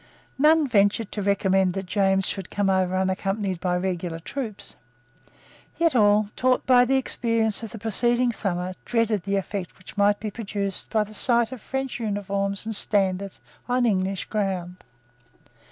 None ventured to recommend that James should come over unaccompanied by regular troops. Yet all, taught by the experience of the preceding summer, dreaded the effect which might be produced by the sight of French uniforms and standards on English ground.